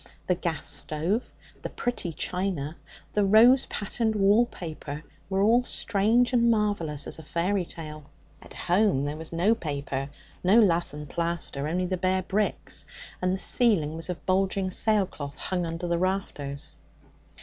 The gas stove, the pretty china, the rose patterned wall paper, were all strange and marvellous as a fairy tale. At home there was no paper, no lath and plaster, only the bare bricks, and the ceiling was of bulging sailcloth hung under the rafters.